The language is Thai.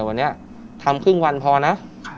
วันนี้ทำครึ่งวันพอนะ